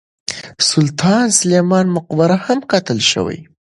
د سلطان سلیمان مقبره هم کتل شوې.